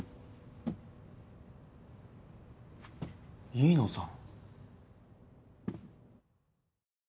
飯野さん？